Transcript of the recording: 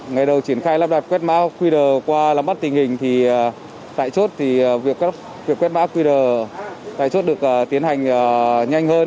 ngày đầu triển khai lắp đặt quét mã qr qua lắm bắt tình hình thì tại chốt thì việc các việc quét mã qr tại chốt được tiến hành nhanh hơn